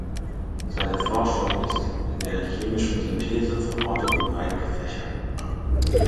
Seine Forschung ist in der chemischen Synthese verortet und breit gefächert.